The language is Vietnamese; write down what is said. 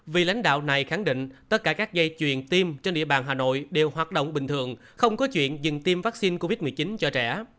vì lãnh đạo này khẳng định tất cả các dây chuyền tiêm trên địa bàn hà nội đều hoạt động bình thường không có chuyện dừng tiêm vaccine covid một mươi chín cho trẻ